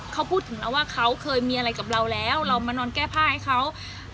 เขาพูดถึงแล้วว่าเขาเคยมีอะไรกับเราแล้วเรามานอนแก้ผ้าให้เขา